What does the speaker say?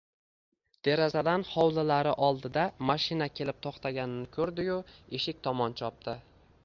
Derazadan hovlilari oldida mashina kelib to`xtaganini ko`rdi-yu, eshik tomon chopdi